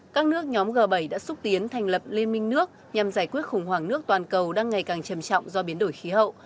các nước nhóm g bảy đã xúc tiến thành lập liên minh nước nhằm giải quyết khủng hoảng nước toàn cầu đang ngày càng trầm trọng do biến đổi khí hậu